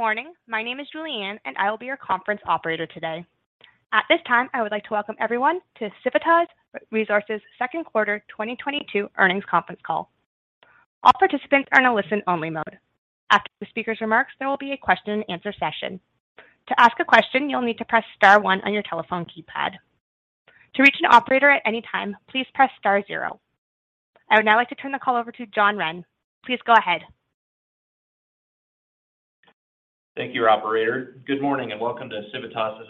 Good morning. My name is Julianne, and I will be your conference operator today. At this time, I would like to welcome everyone to Civitas Resources second quarter 2022 earnings conference call. All participants are in a listen-only mode. After the speaker's remarks, there will be a question and answer session. To ask a question, you'll need to press star one on your telephone keypad. To reach an operator at any time, please press star zero. I would now like to turn the call over to John Wren. Please go ahead. Thank you, operator. Good morning and welcome to Civitas'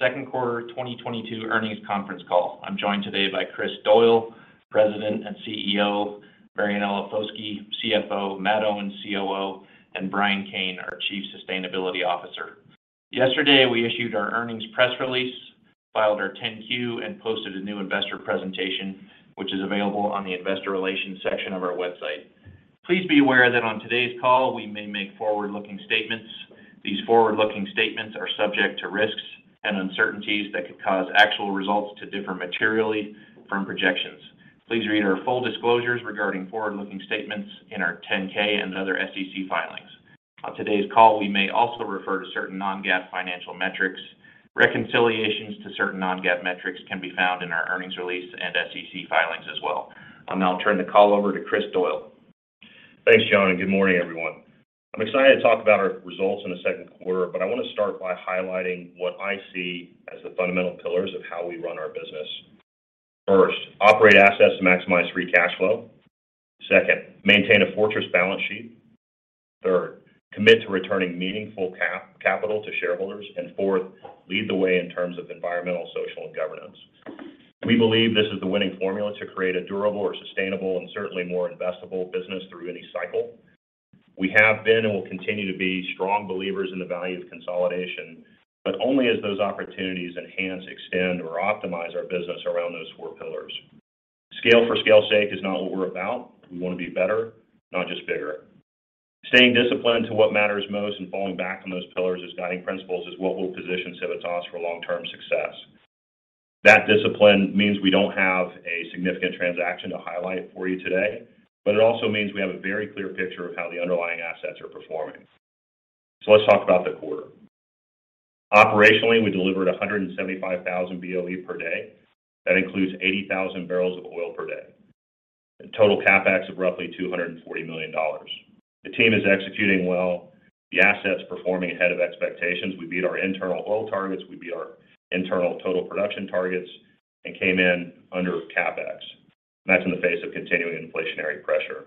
second quarter 2022 earnings conference call. I'm joined today by Chris Doyle, President and CEO, Marianella Foschi, CFO, Matt Owens, COO, and Brian Cain, our Chief Sustainability Officer. Yesterday, we issued our earnings press release, filed our 10-Q, and posted a new investor presentation, which is available on the investor relations section of our website. Please be aware that on today's call, we may make forward-looking statements. These forward-looking statements are subject to risks and uncertainties that could cause actual results to differ materially from projections. Please read our full disclosures regarding forward-looking statements in our 10-K and other SEC filings. On today's call, we may also refer to certain non-GAAP financial metrics. Reconciliations to certain non-GAAP metrics can be found in our earnings release and SEC filings as well. I'll now turn the call over to Chris Doyle. Thanks, John, and good morning, everyone. I'm excited to talk about our results in the second quarter, but I want to start by highlighting what I see as the fundamental pillars of how we run our business. First, operate assets to maximize free cash flow. Second, maintain a fortress balance sheet. Third, commit to returning meaningful capital to shareholders. Fourth, lead the way in terms of environmental, social, and governance. We believe this is the winning formula to create a durable or sustainable and certainly more investable business through any cycle. We have been and will continue to be strong believers in the value of consolidation, but only as those opportunities enhance, extend, or optimize our business around those four pillars. Scale for scale's sake is not what we're about. We want to be better, not just bigger. Staying disciplined to what matters most and falling back on those pillars as guiding principles is what will position Civitas for long-term success. That discipline means we don't have a significant transaction to highlight for you today, but it also means we have a very clear picture of how the underlying assets are performing. Let's talk about the quarter. Operationally, we delivered 175,000 BOE per day. That includes 80,000 barrels of oil per day. Total CapEx of roughly $240 million. The team is executing well, the assets performing ahead of expectations. We beat our internal oil targets. We beat our internal total production targets and came in under CapEx. That's in the face of continuing inflationary pressure.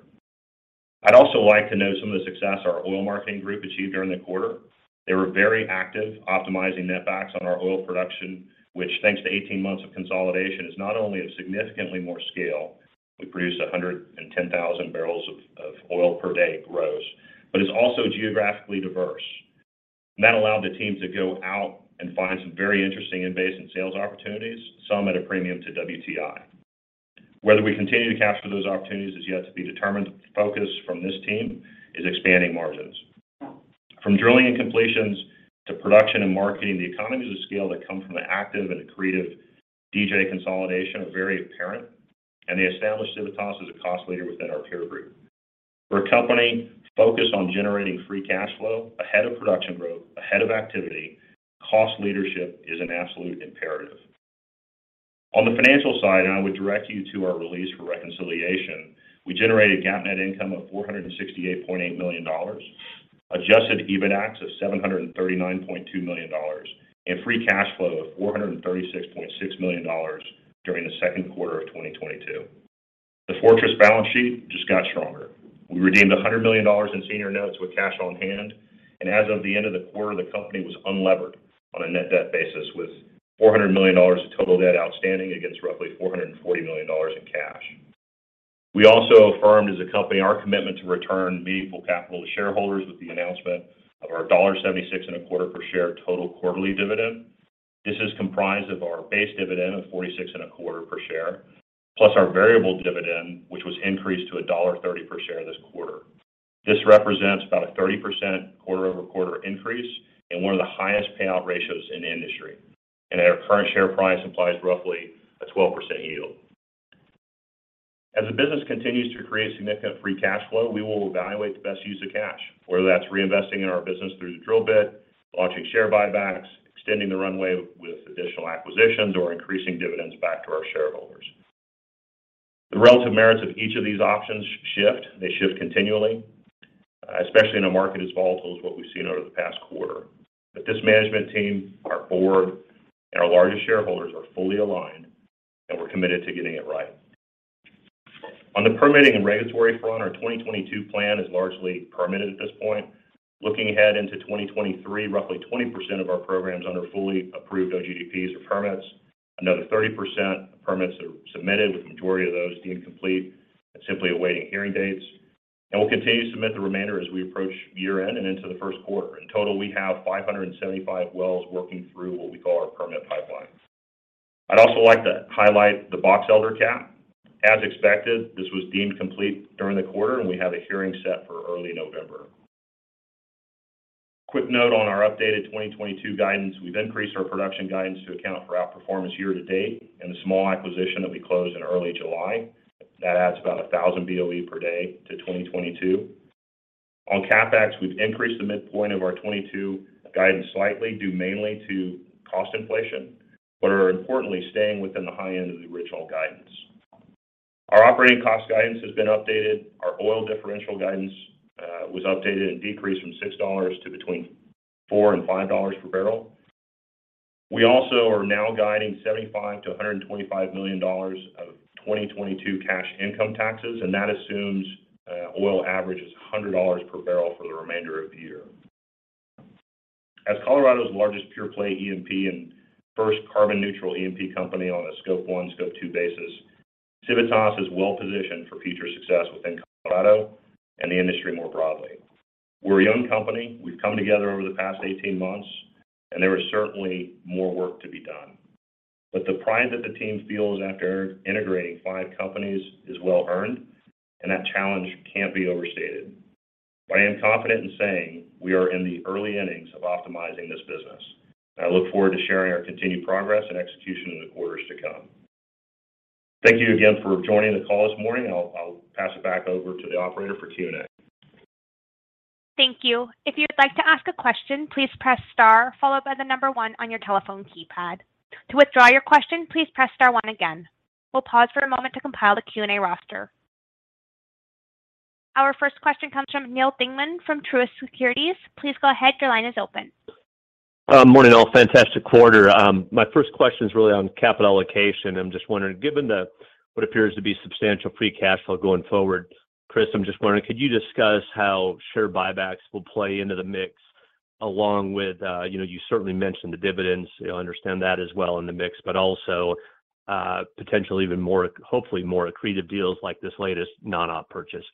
I'd also like to note some of the success our oil marketing group achieved during the quarter. They were very active optimizing netbacks on our oil production, which thanks to 18 months of consolidation, is not only of significantly more scale, we produced 110,000 barrels of oil per day gross, but it's also geographically diverse. That allowed the team to go out and find some very interesting innovative sales opportunities, some at a premium to WTI. Whether we continue to capture those opportunities is yet to be determined. The focus from this team is expanding margins. From drilling and completions to production and marketing, the economies of scale that come from the active and accretive DJ consolidation are very apparent, and they establish Civitas as a cost leader within our peer group. For a company focused on generating free cash flow, ahead of production growth, ahead of activity, cost leadership is an absolute imperative. On the financial side, and I would direct you to our release for reconciliation, we generated GAAP net income of $468.8 million, adjusted EBITDA of $739.2 million, and free cash flow of $436.6 million during the second quarter of 2022. The fortress balance sheet just got stronger. We redeemed $100 million in senior notes with cash on hand, and as of the end of the quarter, the company was unlevered on a net debt basis with $400 million of total debt outstanding against roughly $440 million in cash. We also affirmed as a company our commitment to return meaningful capital to shareholders with the announcement of our $76 and a quarter per share total quarterly dividend. This is comprised of our base dividend of $46 and a quarter per share, plus our variable dividend, which was increased to $1.30 per share this quarter. This represents about a 30% quarter-over-quarter increase and one of the highest payout ratios in the industry. At our current share price implies roughly a 12% yield. As the business continues to create significant free cash flow, we will evaluate the best use of cash, whether that's reinvesting in our business through the drill bit, launching share buybacks, extending the runway with additional acquisitions, or increasing dividends back to our shareholders. The relative merits of each of these options shift. They shift continually, especially in a market as volatile as what we've seen over the past quarter. This management team, our board, and our largest shareholders are fully aligned, and we're committed to getting it right. On the permitting and regulatory front, our 2022 plan is largely permitted at this point. Looking ahead into 2023, roughly 20% of our programs under fully approved OGDPs or permits. Another 30% of permits are submitted, with the majority of those deemed complete and simply awaiting hearing dates. We'll continue to submit the remainder as we approach year-end and into the first quarter. In total, we have 575 wells working through what we call our permit pipeline. I'd also like to highlight the Box Elder CAP. As expected, this was deemed complete during the quarter, and we have a hearing set for early November. Quick note on our updated 2022 guidance. We've increased our production guidance to account for outperformance year-to-date and a small acquisition that we closed in early July. That adds about 1,000 BOE per day to 2022. On CapEx, we've increased the midpoint of our 2022 guidance slightly due mainly to cost inflation, but are importantly staying within the high end of the original guidance. Our operating cost guidance has been updated. Our oil differential guidance was updated and decreased from $6 to between $4 and $5 per barrel. We also are now guiding $75 million-$125 million of 2022 cash income taxes, and that assumes oil averages $100 per barrel for the remainder of the year. As Colorado's largest pure-play E&P and first carbon neutral E&P company on a Scope one, Scope two basis, Civitas is well-positioned for future success within Colorado and the industry more broadly. We're a young company. We've come together over the past 18 months, and there is certainly more work to be done. The pride that the team feels after integrating five companies is well earned, and that challenge can't be overstated. I am confident in saying we are in the early innings of optimizing this business, and I look forward to sharing our continued progress and execution in the quarters to come. Thank you again for joining the call this morning. I'll pass it back over to the operator for Q&A. Thank you. If you'd like to ask a question, please press star followed by the number one on your telephone keypad. To withdraw your question, please press star one again. We'll pause for a moment to compile the Q&A roster. Our first question comes from Neal Dingmann from Truist Securities. Please go ahead. Your line is open. Morning, all. Fantastic quarter. My first question is really on capital allocation. I'm just wondering, given the what appears to be substantial free cash flow going forward, Chris, I'm just wondering, could you discuss how share buybacks will play into the mix along with, you know, you certainly mentioned the dividends, you'll understand that as well in the mix, but also, potentially even more, hopefully more accretive deals like this latest non-op purchase?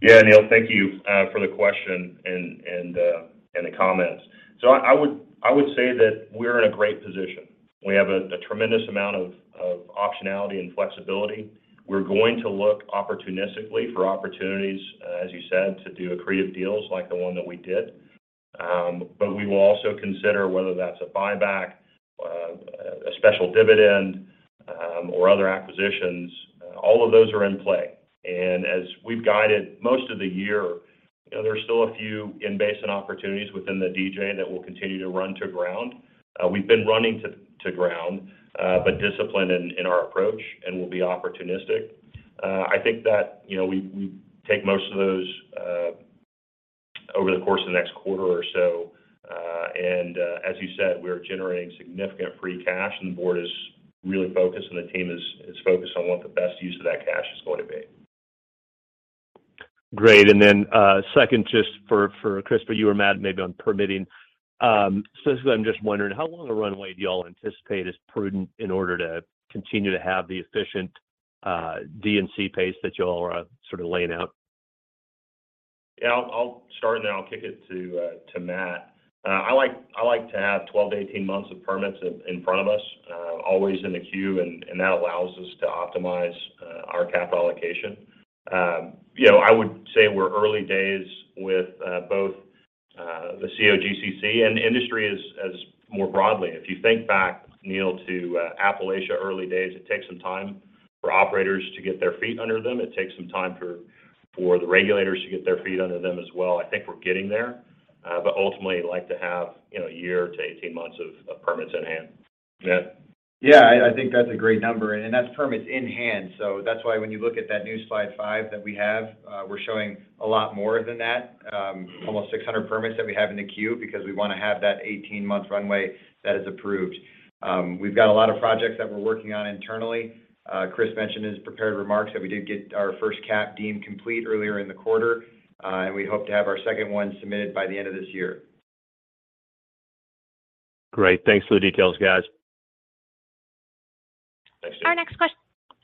Yeah, Neal, thank you for the question and the comments. I would say that we're in a great position. We have a tremendous amount of optionality and flexibility. We're going to look opportunistically for opportunities, as you said, to do accretive deals like the one that we did. We will also consider whether that's a buyback, a special dividend, or other acquisitions. All of those are in play. As we've guided most of the year, you know, there's still a few in-basin opportunities within the DJ that we'll continue to run to ground. We've been running to ground, but disciplined in our approach and we'll be opportunistic. I think that, you know, we take most of those over the course of the next quarter or so. As you said, we're generating significant free cash, and the board is really focused and the team is focused on what the best use of that cash is going to be. Great. Then, second, just for Chris, but you or Matt, maybe on permitting. So I'm just wondering how long a runway do you all anticipate is prudent in order to continue to have the efficient, D&C pace that you all are sort of laying out? Yeah, I'll start and then I'll kick it to Matt. I like to have 12-18 months of permits in front of us always in the queue, and that allows us to optimize our capital allocation. You know, I would say we're early days with both the COGCC and the industry as more broadly. If you think back, Neal, to Appalachia early days, it takes some time for operators to get their feet under them. It takes some time for the regulators to get their feet under them as well. I think we're getting there, but ultimately like to have, you know, a year to 18 months of permits in hand. Matt? Yeah, I think that's a great number. That's permits in hand. That's why when you look at that new slide five that we have, we're showing a lot more than that, almost 600 permits that we have in the queue because we wanna have that 18-month runway that is approved. We've got a lot of projects that we're working on internally. Chris mentioned in his prepared remarks that we did get our first CAP deemed complete earlier in the quarter, and we hope to have our second one submitted by the end of this year. Great. Thanks for the details, guys. Thanks, Neal.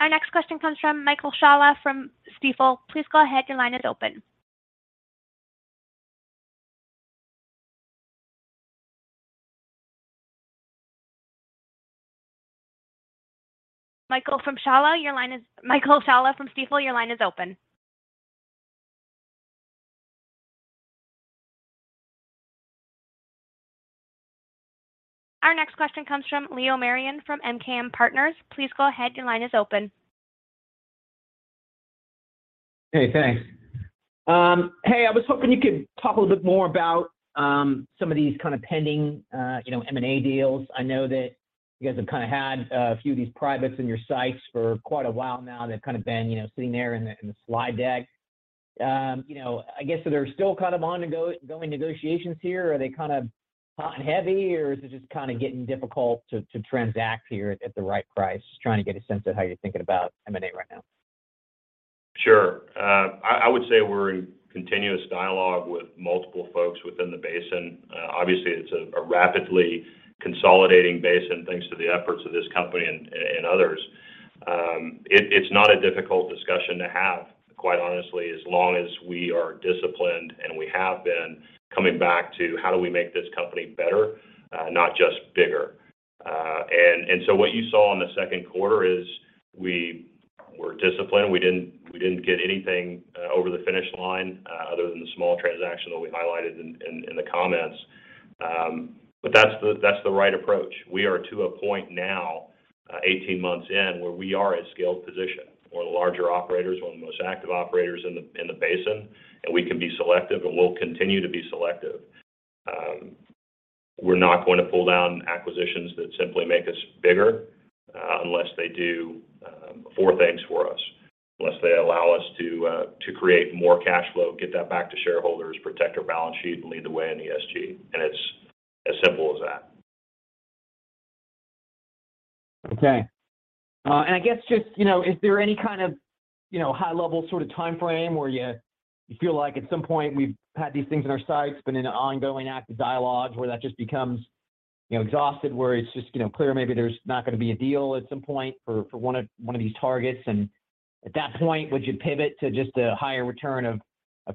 Our next question comes from Michael Scialla from Stifel. Please go ahead. Your line is open. Michael Scialla from Stifel, your line is open. Our next question comes from Leo Mariani from MKM Partners. Please go ahead. Your line is open. Hey, thanks. Hey, I was hoping you could talk a little bit more about some of these kind of pending, you know, M&A deals. I know that you guys have kinda had a few of these privates in your sights for quite a while now. They've kind of been, you know, sitting there in the slide deck. You know, I guess so they're still kind of on going negotiations here. Are they kind of hot and heavy, or is it just kinda getting difficult to transact here at the right price? Trying to get a sense of how you're thinking about M&A right now. Sure. I would say we're in continuous dialogue with multiple folks within the basin. Obviously, it's a rapidly consolidating basin, thanks to the efforts of this company and others. It's not a difficult discussion to have, quite honestly, as long as we are disciplined, and we have been coming back to how we make this company better, not just bigger. What you saw in the second quarter is we were disciplined. We didn't get anything over the finish line other than the small transaction that we highlighted in the comments. That's the right approach. We are to a point now, 18 months in, where we are a scaled position. We're the larger operators, we're one of the most active operators in the basin, and we can be selective, and we'll continue to be selective. We're not going to pull down acquisitions that simply make us bigger, unless they do four things for us, unless they allow us to create more cash flow, get that back to shareholders, protect our balance sheet, and lead the way in ESG. It's as simple as that. Okay. I guess just, you know, is there any kind of, you know, high-level sort of timeframe where you feel like at some point we've had these things in our sights, been in an ongoing active dialogue where that just becomes, you know, exhausted, where it's just, you know, clear maybe there's not gonna be a deal at some point for one of these targets? At that point, would you pivot to just a higher return of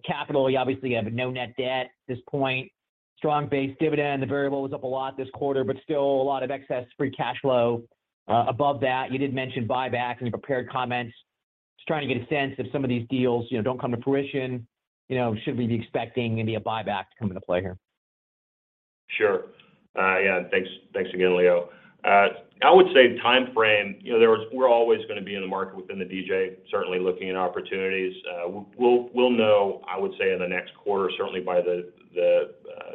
capital? You obviously have no net debt at this point. Strong base dividend. The variable was up a lot this quarter, but still a lot of excess free cash flow above that. You did mention buybacks in your prepared comments. Just trying to get a sense if some of these deals, you know, don't come to fruition, you know, should we be expecting maybe a buyback to come into play here? Sure. Thanks. Thanks again, Leo. I would say the timeframe, you know, we're always gonna be in the market within the DJ, certainly looking at opportunities. We'll know, I would say, in the next quarter. Certainly, by the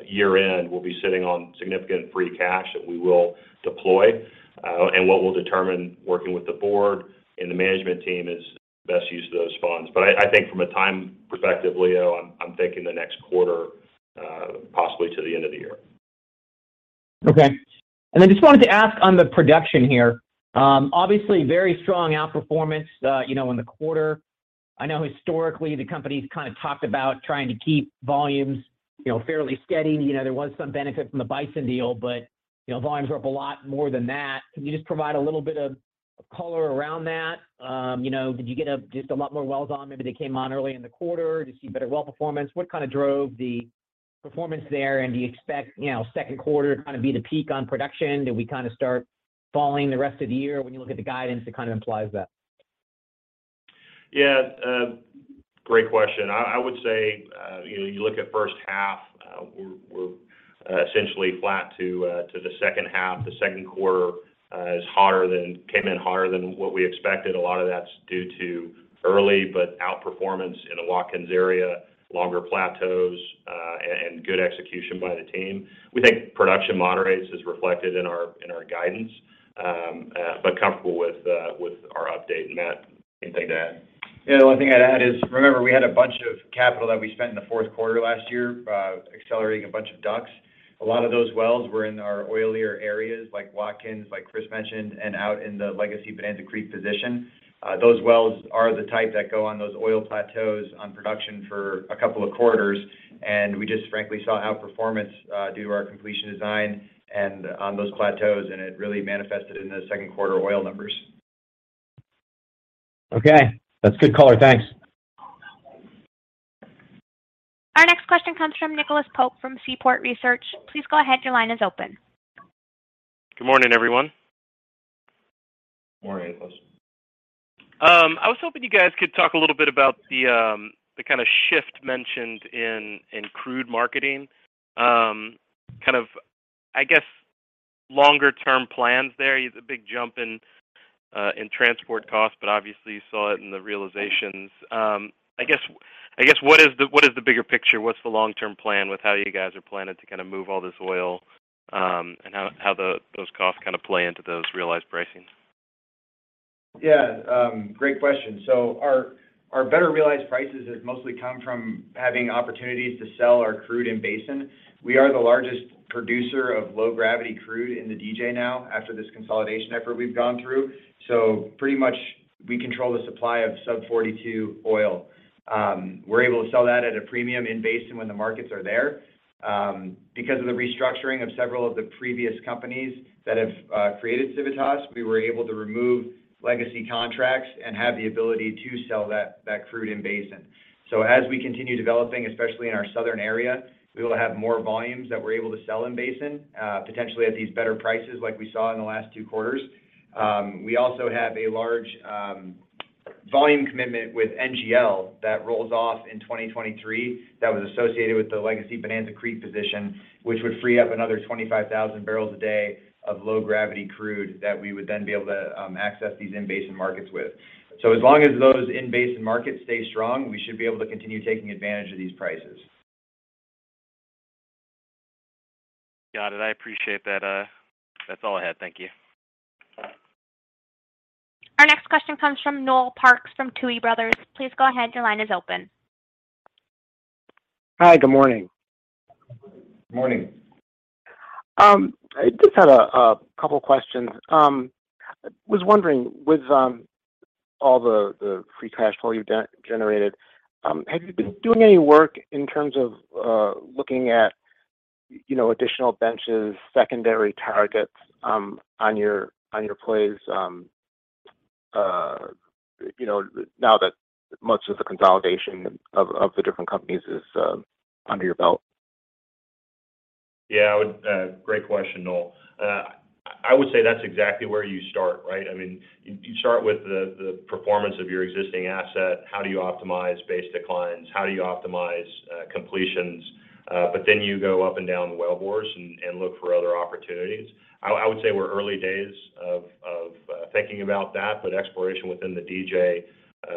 year-end, we'll be sitting on significant free cash that we will deploy. What we'll determine working with the board and the management team is best use of those funds. I think from a time perspective, Leo, I'm thinking the next quarter, possibly to the end of the year. Okay. I just wanted to ask on the production here. Obviously very strong outperformance, you know, in the quarter. I know historically the company's kind of talked about trying to keep volumes, you know, fairly steady. You know, there was some benefit from the Bison deal, but, you know, volumes were up a lot more than that. Can you just provide a little bit of color around that? You know, did you get just a lot more wells on? Maybe they came on early in the quarter. Did you see better well performance? What kind of drove the performance there? Do you expect, you know, second quarter to kind of be the peak on production? Do we kind of start falling the rest of the year? When you look at the guidance, it kind of implies that. Yeah. Great question. I would say, you know, you look at first half, we're essentially flat to the second half. The second quarter came in hotter than what we expected. A lot of that's due to early but outperformance in the Watkins area, longer plateaus, and good execution by the team. We think production moderates is reflected in our guidance, but comfortable with our update. Matt, anything to add? Yeah, the only thing I'd add is, remember, we had a bunch of capital that we spent in the fourth quarter last year, accelerating a bunch of DUCs. A lot of those wells were in our oilier areas like Watkins, like Chris mentioned, and out in the legacy Bonanza Creek position. Those wells are the type that go on those oil plateaus on production for a couple of quarters, and we just frankly saw outperformance, due to our completion design and on those plateaus, and it really manifested in the second quarter oil numbers. Okay. That's good color. Thanks. Our next question comes from Nicholas Pope from Seaport Research. Please go ahead. Your line is open. Good morning, everyone. Morning, Nicholas. I was hoping you guys could talk a little bit about the kind of shift mentioned in crude marketing. Kind of, I guess, longer term plans there. You have a big jump in transport costs, but obviously you saw it in the realizations. I guess what is the bigger picture? What's the long-term plan with how you guys are planning to kind of move all this oil, and how those costs kind of play into those realized pricings? Yeah, great question. Our better realized prices have mostly come from having opportunities to sell our crude in basin. We are the largest producer of low-gravity crude in the DJ now after this consolidation effort we've gone through. Pretty much we control the supply of sub 42 oil. We're able to sell that at a premium in basin when the markets are there. Because of the restructuring of several of the previous companies that have created Civitas, we were able to remove legacy contracts and have the ability to sell that crude in basin. As we continue developing, especially in our southern area, we will have more volumes that we're able to sell in basin, potentially at these better prices like we saw in the last two quarters. We also have a large volume commitment with NGL that rolls off in 2023 that was associated with the legacy Bonanza Creek position, which would free up another 25,000 barrels a day of low-gravity crude that we would then be able to access these in-basin markets with. As long as those in-basin markets stay strong, we should be able to continue taking advantage of these prices. Got it. I appreciate that. That's all I had. Thank you. Our next question comes from Noel Parks from Tuohy Brothers. Please go ahead. Your line is open. Hi. Good morning. Morning. I just had a couple questions. Was wondering with all the free cash flow you generated, have you been doing any work in terms of looking at, you know, additional benches, secondary targets on your plays, you know, now that much of the consolidation of the different companies is under your belt? Yeah, I would, great question, Noel. I would say that's exactly where you start, right? I mean, you start with the performance of your existing asset. How do you optimize base declines? How do you optimize completions? But then you go up and down the wellbores and look for other opportunities. I would say we're early days of thinking about that, but exploration within the DJ,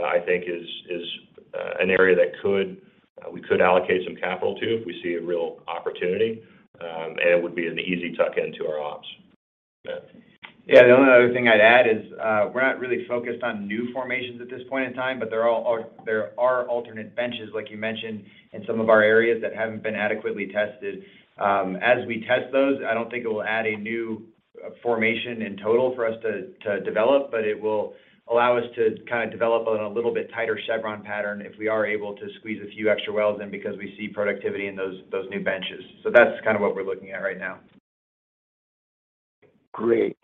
I think is an area that could we could allocate some capital to if we see a real opportunity. It would be an easy tuck into our ops. Matt? Yeah. The only other thing I'd add is, we're not really focused on new formations at this point in time, but there are alternate benches, like you mentioned, in some of our areas that haven't been adequately tested. As we test those, I don't think it will add a new formation in total for us to develop, but it will allow us to kind of develop on a little bit tighter chevron pattern if we are able to squeeze a few extra wells in because we see productivity in those new benches. That's kind of what we're looking at right now. Great.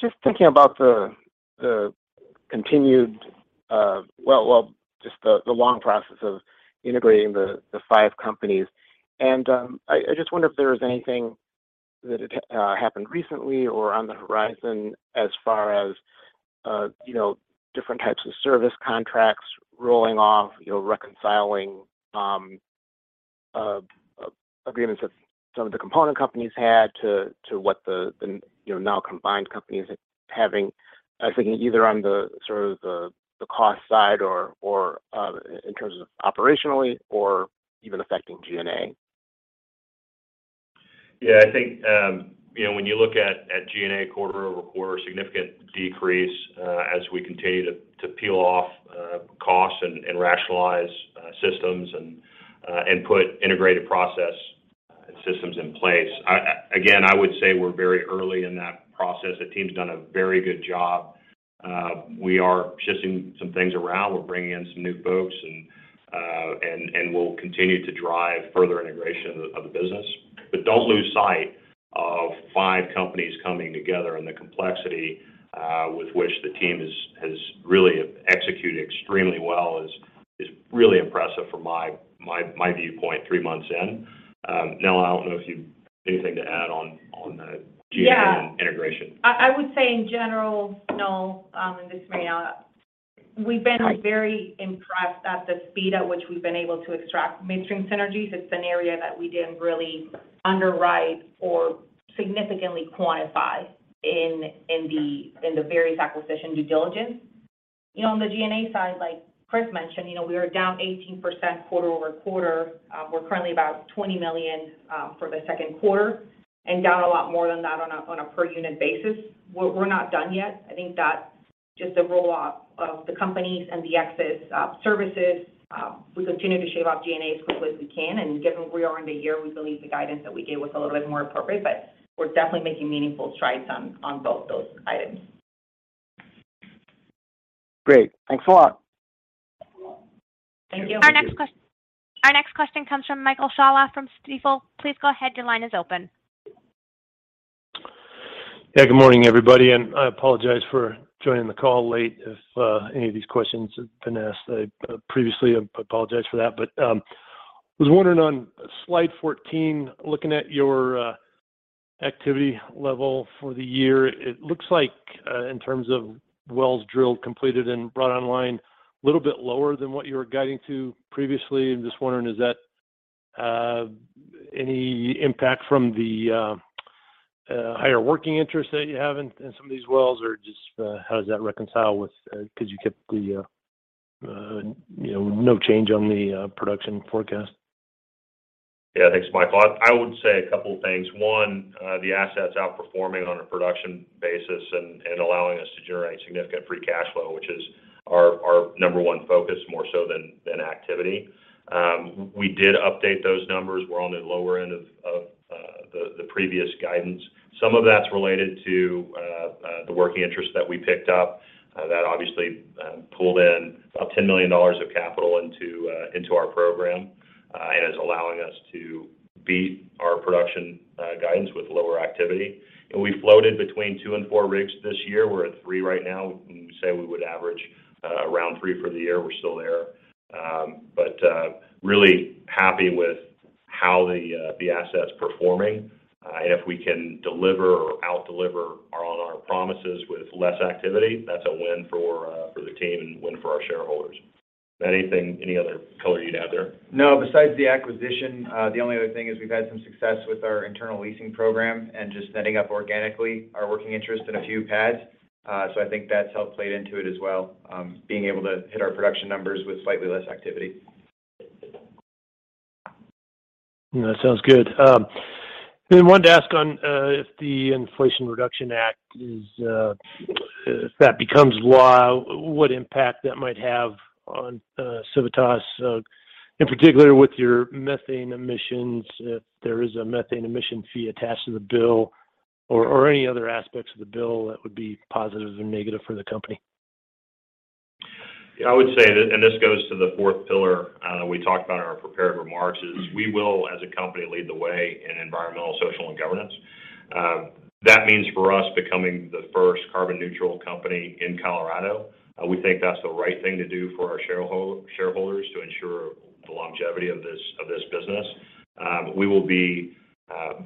Just thinking about just the long process of integrating the five companies, and I just wonder if there was anything that had happened recently or on the horizon as far as, you know, different types of service contracts rolling off, you know, reconciling agreements that some of the component companies had to what the, you know, now combined companies having. I was thinking either on the sort of cost side or in terms of operationally or even affecting G&A. Yeah. I think, you know, when you look at G&A quarter-over-quarter, significant decrease, as we continue to peel off costs and rationalize systems and put integrated process and systems in place. I again would say we're very early in that process. The team's done a very good job. We are shifting some things around. We're bringing in some new folks and we'll continue to drive further integration of the business. But don't lose sight of five companies coming together and the complexity with which the team has really executed extremely well is really impressive from my viewpoint three months in. Nella, I don't know if you've anything to add on the G&A integration. Yeah. I would say in general, Noel, and this is Marianella, we've been. Right Very impressed at the speed at which we've been able to extract midstream synergies. It's an area that we didn't really underwrite or significantly quantify in the various acquisition due diligence. You know, on the G&A side, like Chris mentioned, you know, we are down 18% quarter-over-quarter. We're currently about $20 million for the second quarter and down a lot more than that on a per unit basis. We're not done yet. I think that's just the roll-off of the companies and the excess services. We continue to shave off G&A as quickly as we can, and given where we are in the year, we believe the guidance that we gave was a little bit more appropriate. We're definitely making meaningful strides on both those items. Great. Thanks a lot. Thank you. Thank you. Our next question comes from Michael Scialla from Stifel. Please go ahead. Your line is open. Yeah. Good morning, everybody, and I apologize for joining the call late. If any of these questions have been asked previously, I apologize for that. I was wondering on slide 14, looking at your activity level for the year, it looks like in terms of wells drilled, completed, and brought online, a little bit lower than what you were guiding to previously. I'm just wondering, is that any impact from the higher working interest that you have in some of these wells, or just how does that reconcile with because you kept the you know, no change on the production forecast? Yeah. Thanks, Michael. I would say a couple things. One, the asset's outperforming on a production basis and allowing us to generate significant free cash flow, which is our number one focus more so than activity. We did update those numbers. We're on the lower end of the previous guidance. Some of that's related to the working interest that we picked up, that obviously pulled in about $10 million of capital into our program and is allowing us to beat our production guidance with lower activity. We floated between two and four rigs this year. We're at three right now, and we say we would average around three for the year. We're still there. Really happy with how the asset's performing. If we can deliver or out-deliver our promises with less activity, that's a win for the team and win for our shareholders. Anything, any other color you'd add there? No. Besides the acquisition, the only other thing is we've had some success with our internal leasing program and just setting up organically our working interest in a few pads. I think that's helped play into it as well, being able to hit our production numbers with slightly less activity. Yeah. That sounds good. Wanted to ask on if the Inflation Reduction Act becomes law, what impact that might have on Civitas, in particular with your methane emissions, if there is a methane emission fee attached to the bill or any other aspects of the bill that would be positive and negative for the company? Yeah. I would say that, and this goes to the fourth pillar, that we talked about in our prepared remarks, is we will, as a company, lead the way in environmental, social, and governance. That means for us becoming the first carbon neutral company in Colorado. We think that's the right thing to do for our shareholder, shareholders to ensure the longevity of this business. We will be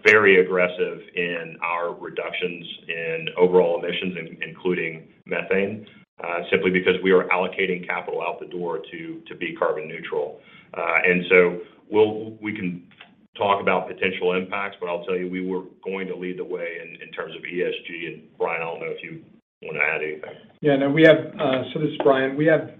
very aggressive in our reductions in overall emissions, including methane, simply because we are allocating capital out the door to be carbon neutral. We can talk about potential impacts, but I'll tell you, we were going to lead the way in terms of ESG. Brian, I don't know if you wanna add anything. This is Brian. We have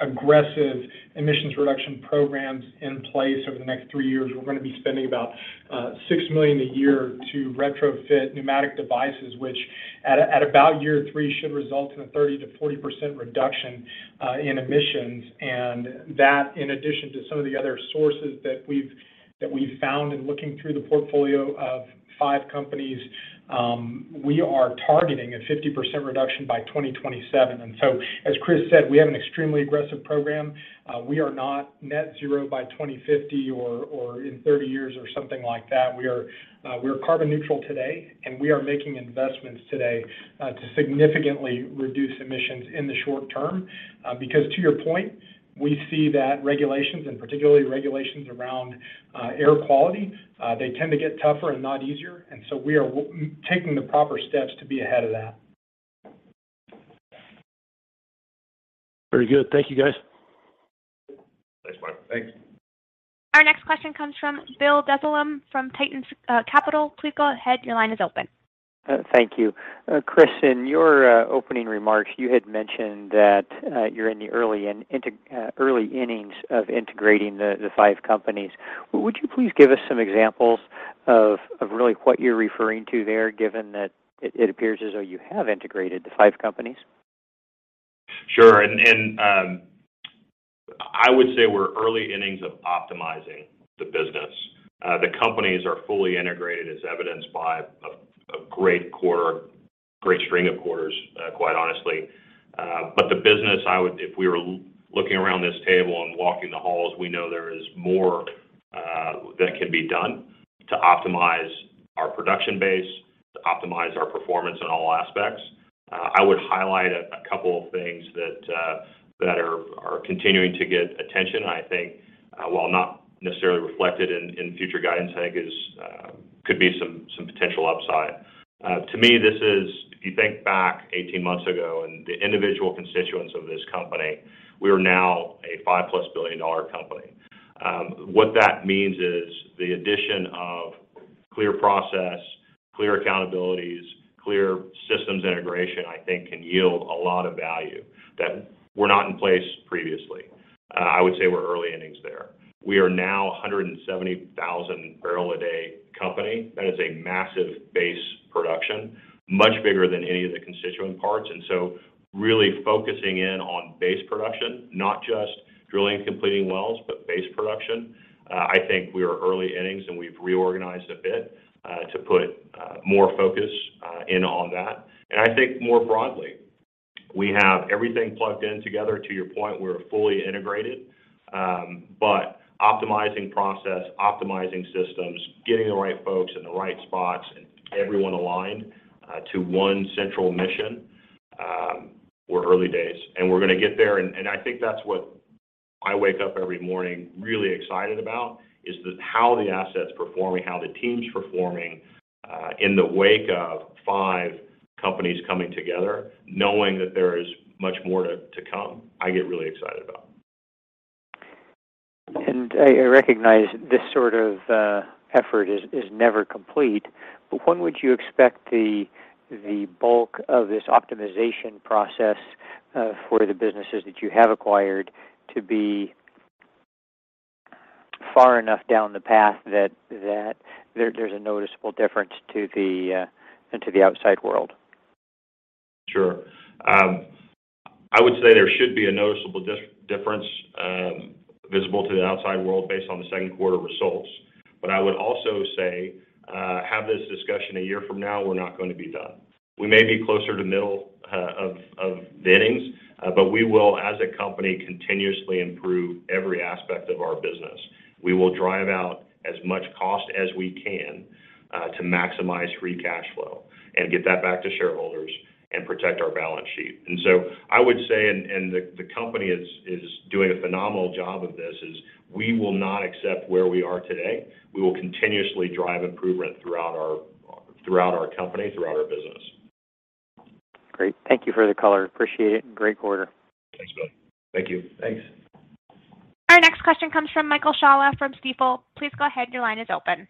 aggressive emissions reduction programs in place over the next three years. We're gonna be spending about $6 million a year to retrofit pneumatic devices, which at about year three should result in a 30%-40% reduction in emissions. That in addition to some of the other sources that we've found in looking through the portfolio of five companies, we are targeting a 50% reduction by 2027. As Chris said, we have an extremely aggressive program. We are not net zero by 2050 or in 30 years or something like that. We are carbon neutral today, and we are making investments today to significantly reduce emissions in the short term. Because to your point, we see that regulations and particularly regulations around air quality, they tend to get tougher and not easier. We are taking the proper steps to be ahead of that. Very good. Thank you, guys. Thanks, Brian. Thanks. Our next question comes from Bill Dezellem from Tieton Capital Management. Please go ahead. Your line is open. Thank you. Chris, in your opening remarks, you had mentioned that you're in the early innings of integrating the five companies. Would you please give us some examples of really what you're referring to there, given that it appears as though you have integrated the five companies? Sure. I would say we're early innings of optimizing the business. The companies are fully integrated as evidenced by a great quarter, great string of quarters, quite honestly. The business I would. If we were looking around this table and walking the halls, we know there is more that can be done to optimize our production base, to optimize our performance in all aspects. I would highlight a couple of things that are continuing to get attention. I think, while not necessarily reflected in future guidance, I think could be some potential upside. To me, if you think back 18 months ago and the individual constituents of this company, we are now a +$5 billion company. What that means is the addition of clear process, clear accountabilities, clear systems integration, I think can yield a lot of value that were not in place previously. I would say we're early innings there. We are now a 170,000 barrel a day company. That is a massive base production, much bigger than any of the constituent parts. Really focusing in on base production, not just drilling and completing wells, but base production. I think we are early innings, and we've reorganized a bit to put more focus in on that. I think more broadly, we have everything plugged in together. To your point, we're fully integrated. Optimizing process, optimizing systems, getting the right folks in the right spots and everyone aligned to one central mission, we're early days. We're gonna get there. I think that's what I wake up every morning really excited about, is how the asset's performing, how the team's performing, in the wake of five companies coming together, knowing that there is much more to come. I get really excited about. I recognize this sort of effort is never complete. When would you expect the bulk of this optimization process for the businesses that you have acquired to be far enough down the path that there's a noticeable difference to the outside world? Sure. I would say there should be a noticeable difference, visible to the outside world based on the second quarter results. I would also say, have this discussion a year from now, we're not gonna be done. We may be closer to middle of the innings, but we will, as a company, continuously improve every aspect of our business. We will drive out as much cost as we can, to maximize free cash flow and get that back to shareholders and protect our balance sheet. I would say the company is doing a phenomenal job of this. We will not accept where we are today. We will continuously drive improvement throughout our company, throughout our business. Great. Thank you for the color. Appreciate it. Great quarter. Thanks, Bill. Thank you. Thanks. Our next question comes from Michael Scialla from Stifel. Please go ahead. Your line is open.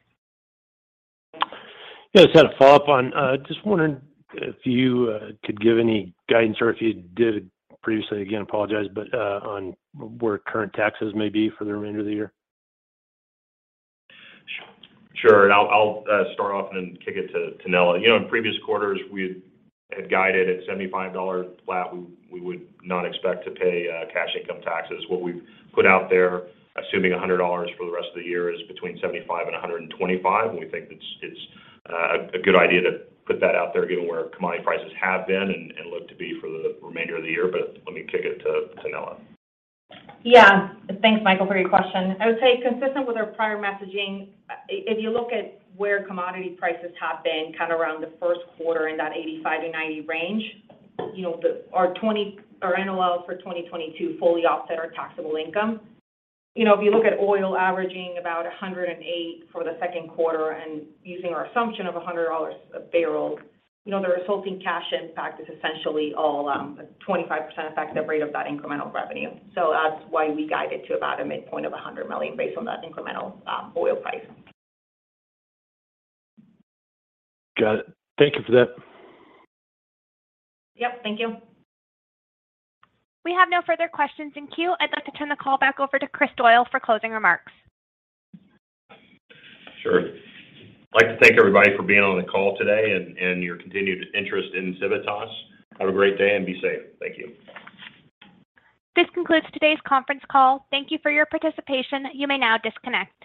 Yes, had a follow-up on, just wondering if you could give any guidance or if you did previously. Again, apologize, but on where current taxes may be for the remainder of the year. Sure. I'll start off and then kick it to Nella. You know, in previous quarters, we had guided at $75 flat. We would not expect to pay cash income taxes. What we've put out there, assuming $100 for the rest of the year, is between $75 and $125. We think it's a good idea to put that out there given where commodity prices have been and look to be for the remainder of the year. Let me kick it to Nella. Yeah. Thanks, Michael, for your question. I would say consistent with our prior messaging, if you look at where commodity prices have been kind of around the first quarter in that 85-90 range, you know, our NOL for 2022 fully offset our taxable income. You know, if you look at oil averaging about $108 for the second quarter and using our assumption of $100 a barrel, you know, the resulting cash impact is essentially all 25% effective rate of that incremental revenue. That's why we guided to about a midpoint of $100 million based on that incremental oil price. Got it. Thank you for that. Yep, thank you. We have no further questions in queue. I'd like to turn the call back over to Chris Doyle for closing remarks. Sure. I'd like to thank everybody for being on the call today and your continued interest in Civitas. Have a great day and be safe. Thank you. This concludes today's conference call. Thank you for your participation. You may now disconnect.